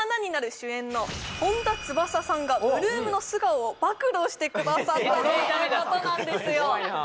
主演の本田翼さんが８ＬＯＯＭの素顔を暴露してくださったということなんですよ